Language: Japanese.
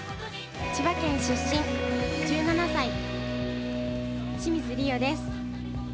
千葉県出身、１７歳、清水理央です。